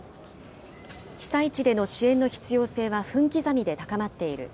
被災地での支援の必要性は分刻みで高まっている。